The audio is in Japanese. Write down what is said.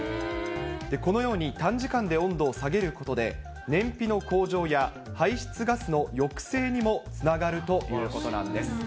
このように短時間で温度を下げることで、燃費の向上や排出ガスの抑制にもつながるということなんです。